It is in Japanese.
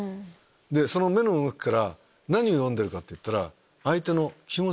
その目の動きから何を読んでるかといったら。